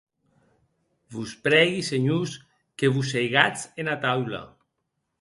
Vos prègui, senhors, que vos seigatz ena taula.